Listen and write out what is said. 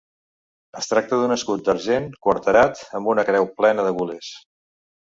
Es tracta d'un escut d'argent quarterat amb una creu plena de gules.